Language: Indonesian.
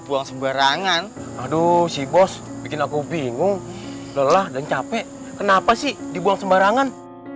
buang sembarangan aduh si bos bikin aku bingung lelah dan capek kenapa sih dibuang sembarangan